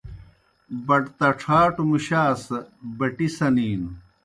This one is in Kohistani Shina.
بٹ تَڇَھاٹوْ مُشاس بَٹِی سنِینوْ۔